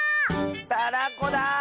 たらこだ！